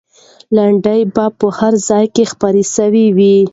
لنډۍ به په هر ځای کې خپرې سوې وي.